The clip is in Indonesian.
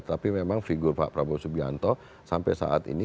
tapi memang figur pak prabowo subianto sampai saat ini